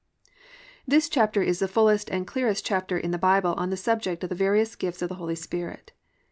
+" This chapter is the fullest and clearest chapter in the Bible on the subject of the various gifts of the Holy Spirit.